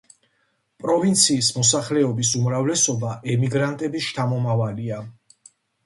პროვინციის მოსახლეობის უმრავლესობა ემიგრანტების შთამომავალია.